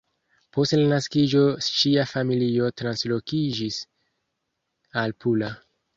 Post la naskiĝo ŝia familio translokiĝis al Pula.